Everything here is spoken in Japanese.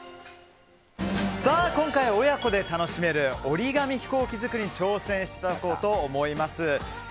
今回は、親子で楽しめる折り紙ヒコーキ作りに挑戦していただこうと思います。